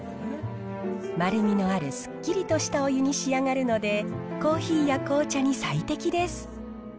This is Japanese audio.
丸みのあるすっきりとお湯に仕上がるので、コーヒーや紅茶に最適です。